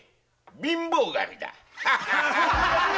貧乏神だ！